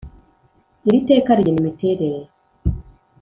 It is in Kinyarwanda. Iri teka rigena imiterere